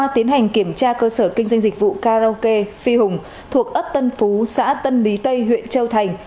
tiến hành kiểm tra cơ sở kinh doanh dịch vụ karaoke phi hùng thuộc ấp tân phú xã tân lý tây huyện châu thành